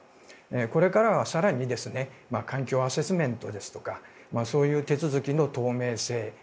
これからは更に環境アセスメントですとかそういう手続きの透明性